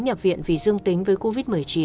nhập viện vì dương tính với covid một mươi chín